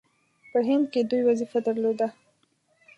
په هند کې دوی وظیفه درلوده.